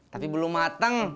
tapi belum mateng